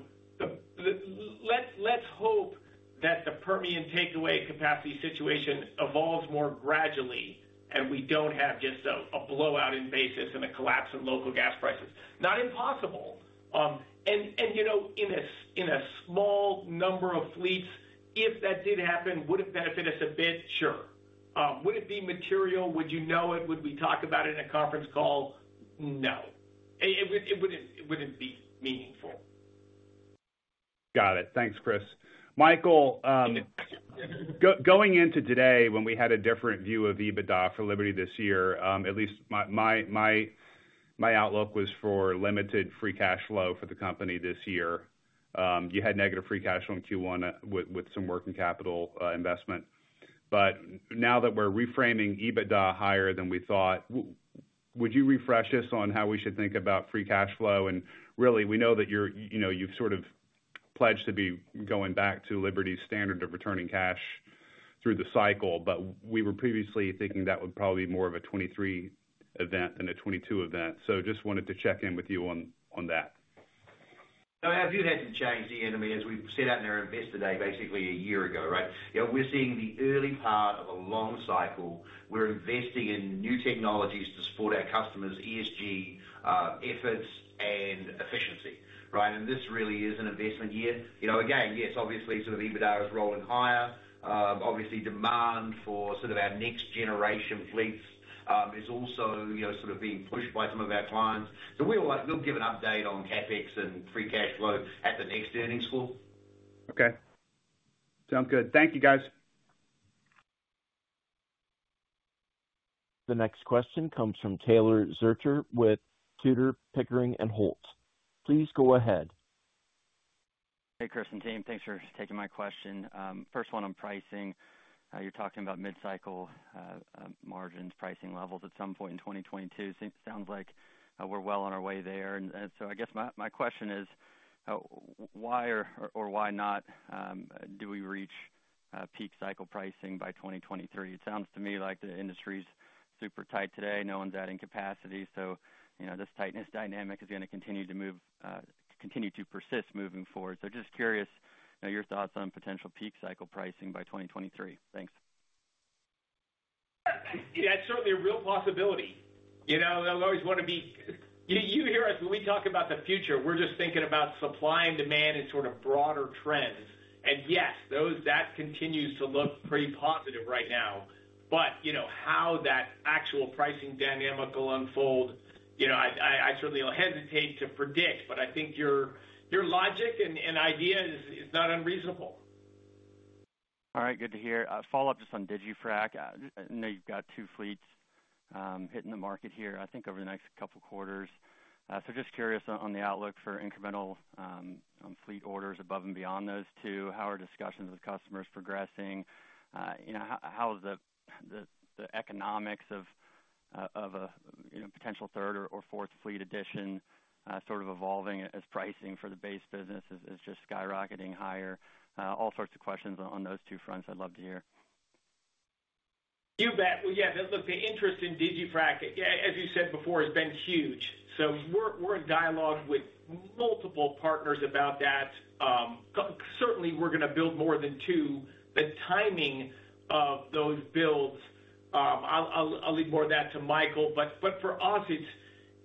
hope that the Permian takeaway capacity situation evolves more gradually, and we don't have just a blowout in basis and a collapse in local gas prices. Not impossible. You know, in a small number of fleets, if that did happen, would it benefit us a bit? Sure. Would it be material? Would you know it? Would we talk about it in a conference call? No. It wouldn't be meaningful. Got it. Thanks, Chris. Michael, going into today, when we had a different view of EBITDA for Liberty this year, at least my outlook was for limited free cash flow for the company this year. You had negative free cash flow in Q1 with some working capital investment. Now that we're reframing EBITDA higher than we thought, would you refresh us on how we should think about free cash flow? Really, we know that you're, you know, you've sort of pledged to be going back to Liberty Standard of returning cash through the cycle, but we were previously thinking that would probably be more of a 2023 event than a 2022 event. Just wanted to check in with you on that. No, we haven't had to change the name as we set out in our Investor Day, basically a year ago, right? You know, we're seeing the early part of a long cycle. We're investing in new technologies to support our customers' ESG efforts and efficiency, right? This really is an investment year. You know, again, yes, obviously sort of EBITDA is rolling higher. Obviously demand for sort of our next generation fleets is also, you know, sort of being pushed by some of our clients. We'll give an update on CapEx and free cash flow at the next earnings call. Okay. Sound good. Thank you, guys. The next question comes from Taylor Zurcher with Tudor, Pickering, Holt & Co. Please go ahead. Hey, Chris and team. Thanks for taking my question. First one on pricing. You're talking about mid-cycle margins, pricing levels at some point in 2022. Sounds like we're well on our way there. I guess my question is, why or why not do we reach peak cycle pricing by 2023? It sounds to me like the industry's super tight today. No one's adding capacity. You know, this tightness dynamic is gonna continue to persist moving forward. Just curious, you know, your thoughts on potential peak cycle pricing by 2023. Thanks. Yeah, it's certainly a real possibility. You know, I always wanna be. You hear us when we talk about the future, we're just thinking about supply and demand and sort of broader trends. Yes, that continues to look pretty positive right now. You know, how that actual pricing dynamic will unfold, you know, I certainly will hesitate to predict, but I think your logic and idea is not unreasonable. All right. Good to hear. A follow-up just on digiFrac. I know you've got two fleets hitting the market here, I think, over the next couple quarters. So just curious on the outlook for incremental fleet orders above and beyond those two. How are discussions with customers progressing? You know, how is the economics of a potential third or fourth fleet addition sort of evolving as pricing for the base business is just skyrocketing higher? All sorts of questions on those two fronts I'd love to hear. You bet. Well, yeah, look, the interest in digiFrac, as you said before, has been huge. We're in dialogue with multiple partners about that. Certainly, we're gonna build more than two. The timing of those builds, I'll leave more of that to Michael. But for us,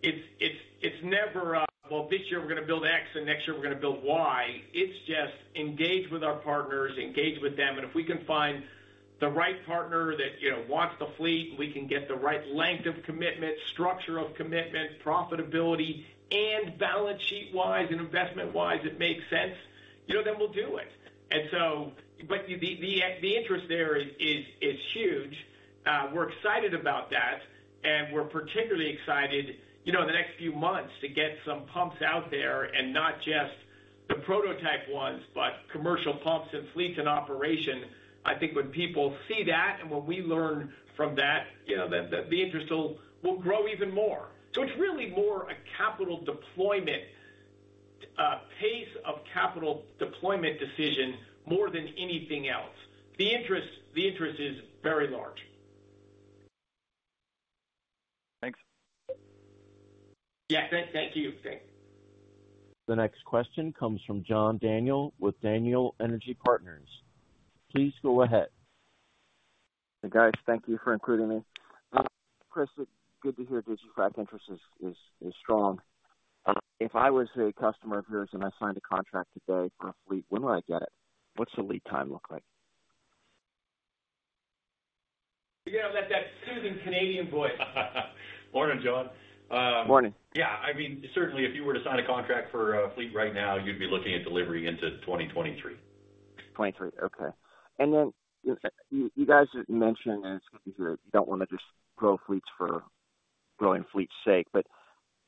it's never this year we're gonna build X, and next year we're gonna build Y. It's just engage with our partners, engage with them, and if we can find the right partner that, you know, wants the fleet, we can get the right length of commitment, structure of commitment, profitability, and balance sheet-wise and investment-wise, it makes sense, you know, then we'll do it. The interest there is huge. We're excited about that, and we're particularly excited, you know, in the next few months to get some pumps out there, and not just the prototype ones, but commercial pumps and fleets in operation. I think when people see that and when we learn from that, you know, the interest will grow even more. It's really more a capital deployment pace of capital deployment decision more than anything else. The interest is very large. Thanks. Yeah. Thank you. The next question comes from John Daniel with Daniel Energy Partners. Please go ahead. Hey, guys. Thank you for including me. Chris, good to hear digiFrac interest is strong. If I was a customer of yours and I signed a contract today for a fleet, when would I get it? What's the lead time look like? Yeah, that soothing Canadian voice. Morning, John. Morning. Yeah. I mean, certainly if you were to sign a contract for a fleet right now, you'd be looking at delivery into 2023. 23. Okay. Then you guys have mentioned, and it's good to hear, you don't wanna just grow fleets for growing fleets sake.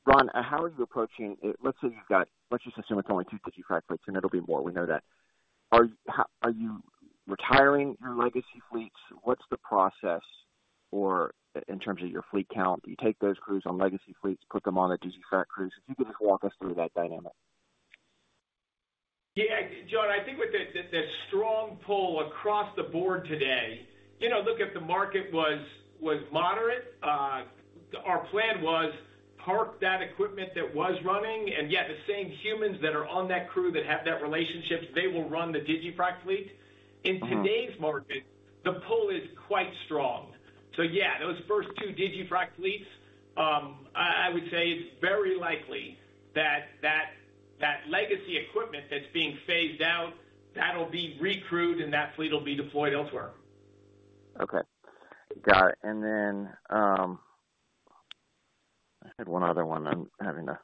Ron, how are you approaching. Let's say you've got, let's just assume it's only 2 digiFrac fleets, and it'll be more, we know that. How are you retiring your legacy fleets? What's the process for in terms of your fleet count? Do you take those crews on legacy fleets, put them on the digiFrac crews? If you could just walk us through that dynamic. Yeah. John, I think with the strong pull across the board today, you know, look, if the market was moderate, our plan was park that equipment that was running, and yet the same humans that are on that crew that have that relationship, they will run the digiFrac fleet. Mm-hmm. In today's market, the pull is quite strong. Yeah, those first two digiFrac fleets, I would say it's very likely that legacy equipment that's being phased out, that'll be recrewed and that fleet will be deployed elsewhere. Okay. Got it. I had one other one I'm having to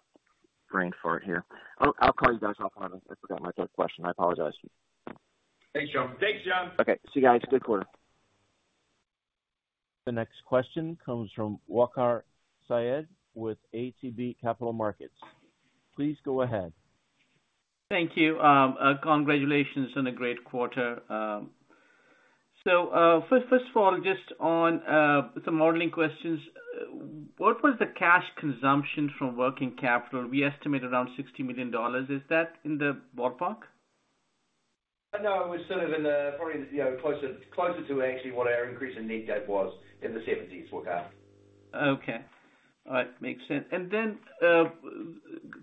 bring forward here. I'll call you guys out on it. I forgot my third question. I apologize. Thanks, John. Thanks, John. Okay. See you, guys. Good quarter. The next question comes from Waqar Syed with ATB Capital Markets. Please go ahead. Thank you. Congratulations on a great quarter. First of all, just on some modeling questions. What was the cash consumption from working capital? We estimate around $60 million. Is that in the ballpark? No, it was sort of in the probably, you know, closer to actually what our increase in net debt was in the 70s, Waqar. Okay. All right. Makes sense.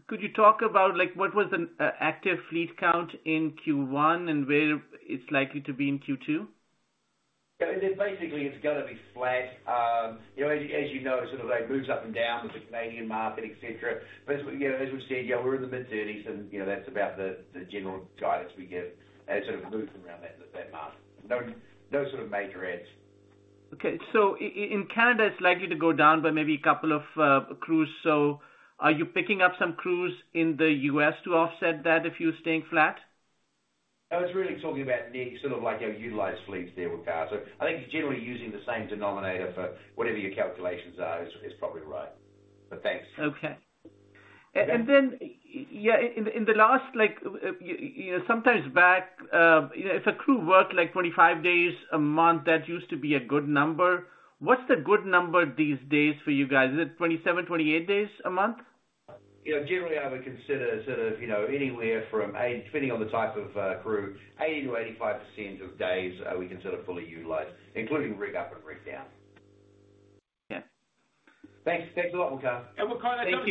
Could you talk about, like what was the active fleet count in Q1 and where it's likely to be in Q2? Yeah. Basically, it's gonna be flat. You know, as you know, sort of like moves up and down with the Canadian market, et cetera. You know, as we said, yeah, we're in the mid-30s and, you know, that's about the general guidance we give, and it sort of moves around that mark. No sort of major adds. Okay. In Canada, it's likely to go down by maybe a couple of crews. Are you picking up some crews in the U.S. to offset that if you're staying flat? I was really talking about the sort of like our utilized fleets there, Waqar Syed. I think generally using the same denominator for whatever your calculations are is probably right. Thanks. Okay. Yeah. Yeah, in the last, like, you know, some time back, if a crew worked like 25 days a month, that used to be a good number. What's the good number these days for you guys? Is it 27, 28 days a month? You know, generally I would consider sort of, you know, anywhere from 80%, depending on the type of crew, 80%-85% of days we consider fully utilized, including rig up and rig down. Yeah. Thanks. Thanks a lot, Waqar. Waqar, that doesn't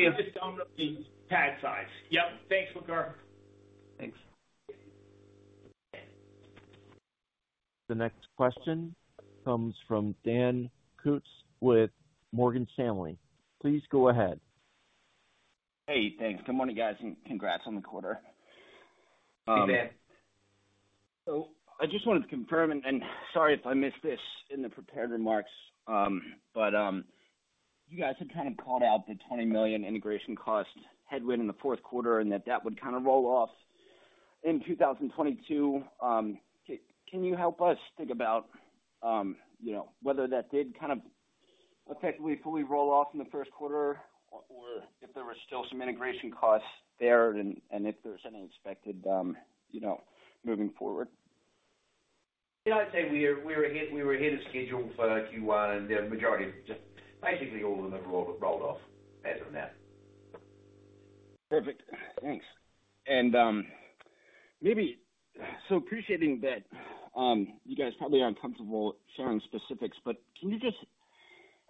even adjust pad size. Yep. Thanks, Waqar. Thanks. The next question comes from Daniel Kutz with Morgan Stanley. Please go ahead. Hey, thanks. Good morning, guys, and congrats on the quarter. Hey, Dan. I just wanted to confirm, and sorry if I missed this in the prepared remarks, but you guys had kind of called out the $20 million integration cost headwind in the fourth quarter and that would kind of roll off in 2022. Can you help us think about, you know, whether that did kind of effectively fully roll off in the first quarter or if there were still some integration costs there and if there's any expected, you know, moving forward? Yeah, I'd say we're ahead, we were ahead of schedule for Q1 and the majority of just basically all of them rolled off as of now. Perfect. Thanks. Maybe, appreciating that you guys probably aren't comfortable sharing specifics, but can you just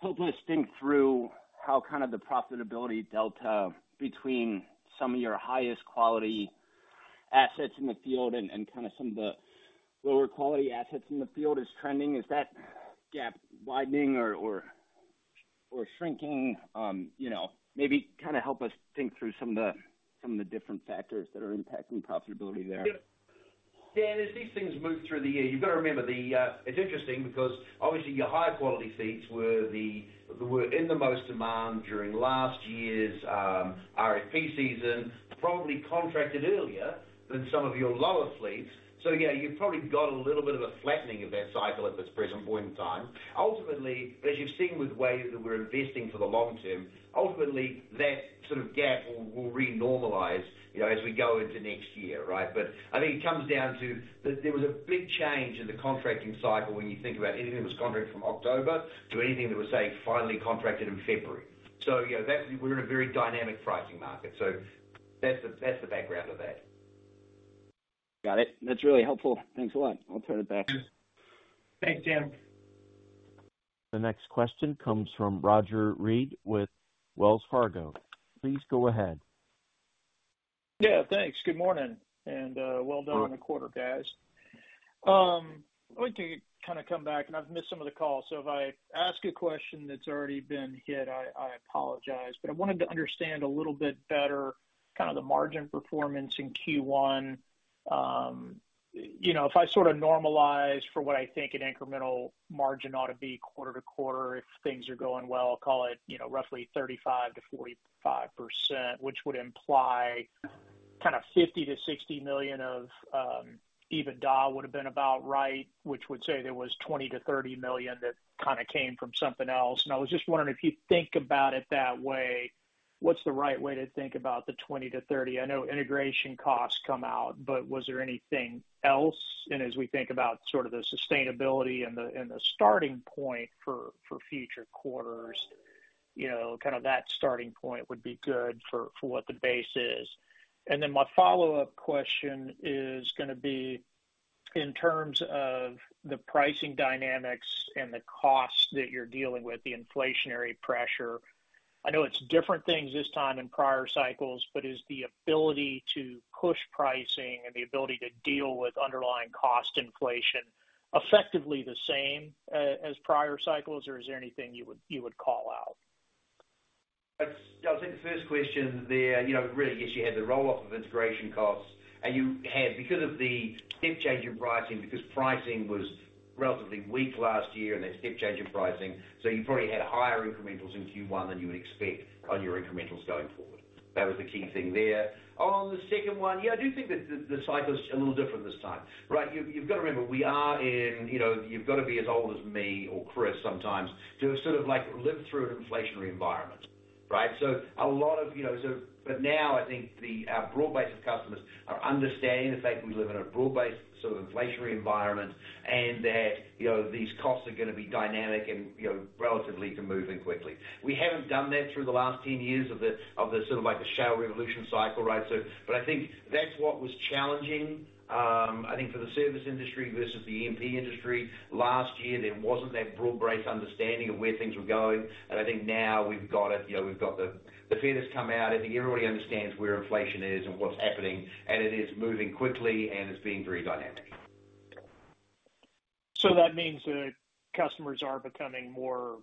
help us think through how kind of the profitability delta between some of your highest quality assets in the field and kind of some of the lower quality assets in the field is trending? Is that gap widening or shrinking? You know, maybe kind of help us think through some of the different factors that are impacting profitability there. Yeah. Dan, as these things move through the year, you've got to remember the. It's interesting because obviously your higher quality fleets were in the most demand during last year's RFP season, probably contracted earlier than some of your lower fleets. Yeah, you've probably got a little bit of a flattening of that cycle at this present point in time. Ultimately, as you've seen with Wave, that we're investing for the long term. Ultimately, that sort of gap will re-normalize, you know, as we go into next year, right? I think it comes down to there was a big change in the contracting cycle when you think about anything that was contracted from October to anything that was, say, finally contracted in February. You know, that's. We're in a very dynamic pricing market. That's the background of that. Got it. That's really helpful. Thanks a lot. I'll turn it back. Thanks, Dan. The next question comes from Roger Read with Wells Fargo. Please go ahead. Yeah, thanks. Good morning and well done. Morning. On the quarter, guys. I want to kind of come back and I've missed some of the call, so if I ask a question that's already been hit, I apologize. But I wanted to understand a little bit better kind of the margin performance in Q1. You know, if I sort of normalize for what I think an incremental margin ought to be quarter to quarter if things are going well, call it, you know, roughly 35%-45%, which would imply kind of $50 million-$60 million of EBITDA would have been about right, which would say there was $20 million-$30 million that kind of came from something else. I was just wondering, if you think about it that way, what's the right way to think about the $20 million-$30 million? I know integration costs come out, but was there anything else? As we think about sort of the sustainability and the starting point for future quarters, you know, kind of that starting point would be good for what the base is. Then my follow-up question is gonna be in terms of the pricing dynamics and the costs that you're dealing with, the inflationary pressure. I know it's different things this time in prior cycles, but is the ability to push pricing and the ability to deal with underlying cost inflation effectively the same as prior cycles? Or is there anything you would call out? I'll take the first question there. You know, really, yes, you had the roll-off of integration costs and you had because of the step change in pricing, because pricing was relatively weak last year and then step change in pricing. So you probably had higher incrementals in Q1 than you would expect on your incrementals going forward. That was the key thing there. On the second one, yeah, I do think that the cycle is a little different this time, right? You've gotta remember we are in, you know, you've gotta be as old as me or Chris sometimes to sort of like, live through an inflationary environment, right? A lot of, you know, but now I think the broad base of customers are understanding the fact we live in a broad-based sort of inflationary environment and that, you know, these costs are gonna be dynamic and, you know, relatively can move in quickly. We haven't done that through the last 10 years of the sort of like the shale revolution cycle, right? But I think that's what was challenging, I think for the service industry versus the E&P industry. Last year, there wasn't that broad-based understanding of where things were going, and I think now we've got it. You know, we've got the fear that's come out. I think everybody understands where inflation is and what's happening, and it is moving quickly and it's being very dynamic. That means the customers are becoming more,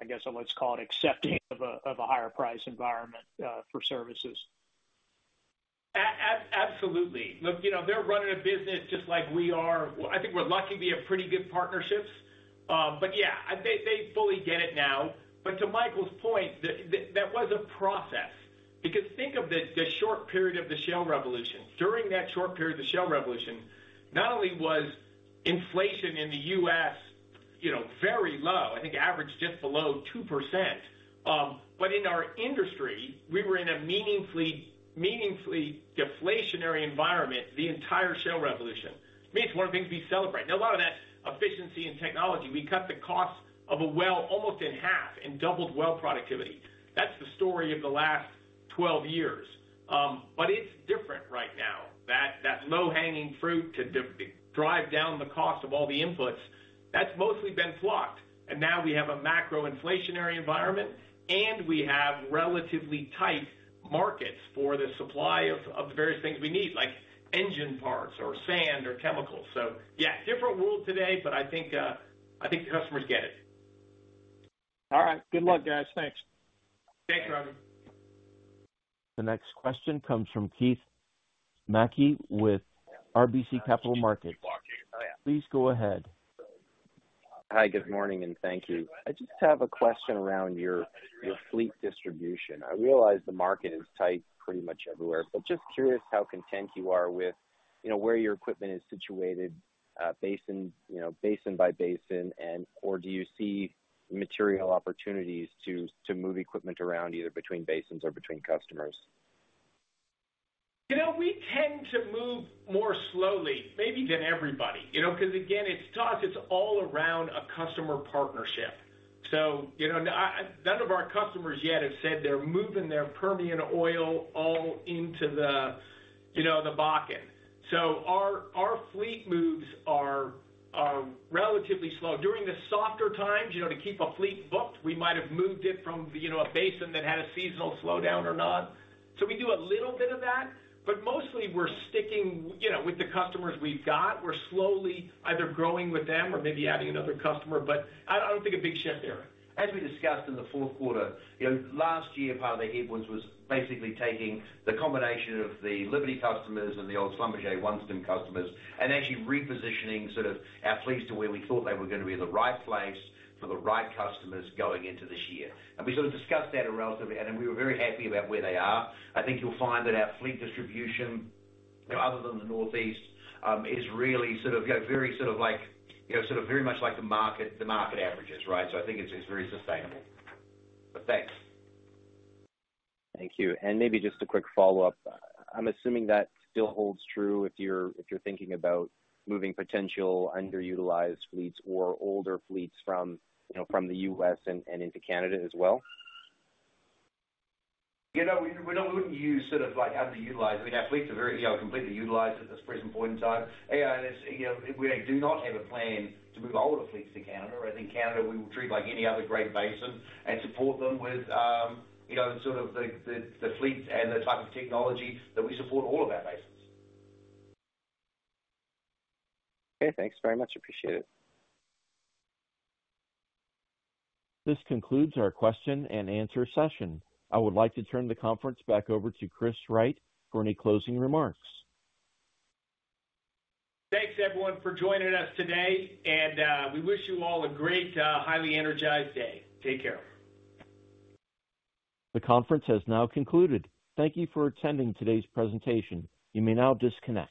I guess, let's call it accepting of a higher price environment for services. Absolutely. Look, you know, they're running a business just like we are. I think we're lucky. We have pretty good partnerships. Yeah, I think they fully get it now. To Michael's point, that was a process. Think of the short period of the shale revolution. During that short period of the shale revolution, not only was inflation in the U.S., you know, very low. I think average just below 2%, but in our industry, we were in a meaningfully deflationary environment the entire shale revolution. To me, it's one of the things we celebrate. Now, a lot of that efficiency and technology, we cut the cost of a well almost in half and doubled well productivity. That's the story of the last 12 years. It's different right now. That low-hanging fruit to drive down the cost of all the inputs, that's mostly been plucked. Now we have a macro inflationary environment, and we have relatively tight markets for the supply of the various things we need, like engine parts or sand or chemicals. Yeah, different world today, but I think customers get it. All right. Good luck, guys. Thanks. Thanks, Rodney. The next question comes from Keith Mackey with RBC Capital Markets. Please go ahead. Hi, good morning, and thank you. I just have a question around your fleet distribution. I realize the market is tight pretty much everywhere, but just curious how content you are with, you know, where your equipment is situated, basin, you know, basin by basin and/or do you see material opportunities to move equipment around either between basins or between customers? You know, we tend to move more slowly maybe than everybody, you know, 'cause again, it's to us, it's all around a customer partnership. You know, I, none of our customers yet have said they're moving their Permian oil all into the, you know, the Bakken. Our fleet moves are relatively slow. During the softer times, you know, to keep a fleet booked, we might have moved it from, you know, a basin that had a seasonal slowdown or not. We do a little bit of that, but mostly we're sticking, you know, with the customers we've got. We're slowly either growing with them or maybe adding another customer. I don't think a big shift there. As we discussed in the fourth quarter, you know, last year part of the headwinds was basically taking the combination of the Liberty customers and the old Schlumberger OneStim customers and actually repositioning sort of our fleets to where we thought they were gonna be in the right place for the right customers going into this year. We sort of discussed that relatively, and then we were very happy about where they are. I think you'll find that our fleet distribution, other than the Northeast, is really sort of, you know, very sort of like, you know, sort of very much like the market, the market averages, right? I think it's very sustainable. Thanks. Thank you. Maybe just a quick follow-up. I'm assuming that still holds true if you're thinking about moving potential underutilized fleets or older fleets from, you know, from the U.S. and into Canada as well? You know, we wouldn't use sort of like underutilized. I mean, our fleets are very, you know, completely utilized at this present point in time. I, you know, we do not have a plan to move older fleets to Canada. I think Canada we will treat like any other Great Basin and support them with, you know, sort of the fleet and the type of technology that we support all of our basins. Okay, thanks very much. Appreciate it. This concludes our question and answer session. I would like to turn the conference back over to Chris Wright for any closing remarks. Thanks everyone for joining us today, and, we wish you all a great, highly energized day. Take care. The conference has now concluded. Thank you for attending today's presentation. You may now disconnect.